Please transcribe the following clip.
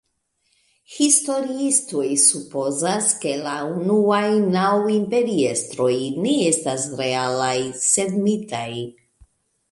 Historiistoj supozas, ke la unuaj naŭ imperiestroj ne estas realaj, sed mitaj.